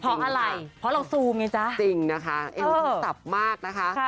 เพราะอะไรเพราะเราซูมไงจ๊ะจริงนะคะเอวต้องสับมากนะคะ